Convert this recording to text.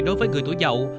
đối với người tuổi giàu